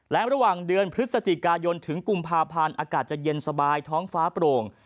และระหว่างเดือนพฤศจิกายนถึงกุมภาพันธ์อากาศจะเย็นสบายท้องฟ้าโปร่ง